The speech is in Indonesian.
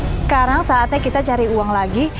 sekarang saatnya kita cari uang lagi